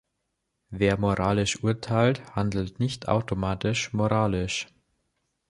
Wer moralisch urteilt, handelt nicht automatisch moralisch.